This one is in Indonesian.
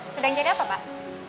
sedang jadi apa pak